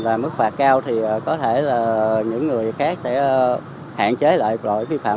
và mức phạt cao thì có thể là những người khác sẽ hạn chế lại lỗi vi phạm